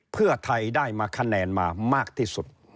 เพื่อไทยได้มาคะแนนมามากที่สุด